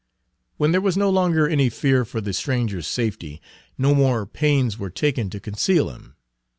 When there was no longer any fear for the stranger's safety, no more pains were taken to conceal him.